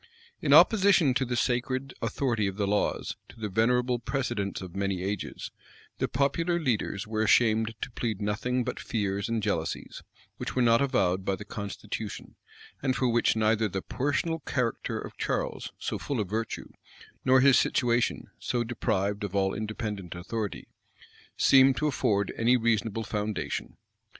In opposition to the sacred authority of the laws, to the venerable precedents of many ages, the popular leaders were ashamed to plead nothing but fears and jealousies, which were not avowed by the constitution, and for which neither the personal character of Charles, so full of virtue, nor his situation, so deprived of all independent authority, seemed to afford any reasonable foundation.